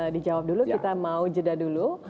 dijawab dulu kita mau jeda dulu